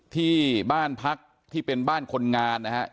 ที่บ้านพักที่เป็นบ้านคนงานนะฮะ